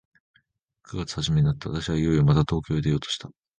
九月始めになって、私はいよいよまた東京へ出ようとした。